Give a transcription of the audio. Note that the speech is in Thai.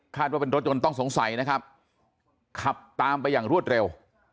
ว่าเป็นรถยนต์ต้องสงสัยนะครับขับตามไปอย่างรวดเร็ว